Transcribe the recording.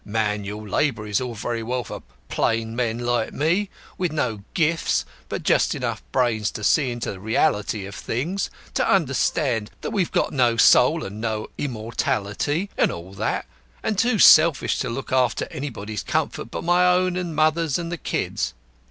Manual labour is all very well for plain men like me, with no gift but just enough brains to see into the realities of things to understand that we've got no soul and no immortality, and all that and too selfish to look after anybody's comfort but my own and mother's and the kids'.